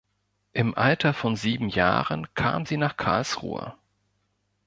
Im Alter von sieben Jahren kam sie nach Karlsruhe.